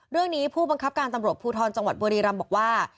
เรื่องนี้ผู้บังคับการตำรบภูทรจังหวัดบุรีรำบอกว่า